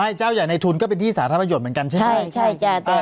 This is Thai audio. ใช่เจ้าใหญ่ในทุนก็เป็นที่สาธารณประโยชน์เหมือนกันใช่ไหมใช่จ้ะ